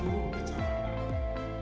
kementerian kementerian tiongkok mengatakan